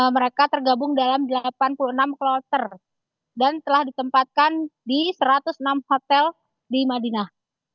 mereka tergabung dalam delapan puluh enam kloter dan telah ditempatkan di satu ratus enam hotel di madinah